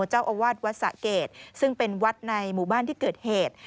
เจ้าอาวาสวัดสะเกดซึ่งเป็นวัดในหมู่บ้านที่เกิดเหตุ